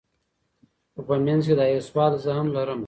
خو په منځ کي دا یو سوال زه هم لرمه